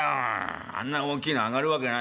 あんな大きいの揚がるわけないよ。